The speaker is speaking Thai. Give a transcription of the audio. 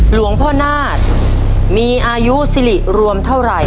หลวงพ่อนาฏมีอายุสิริรวมเท่าไหร่